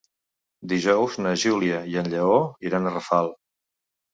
Dijous na Júlia i en Lleó iran a Rafal.